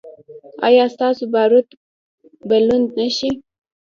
ایا ستاسو باروت به لوند نه شي؟